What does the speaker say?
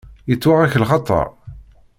Yettwaɣ-ak lxaṭer?